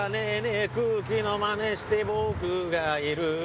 え空気の真似して僕がいる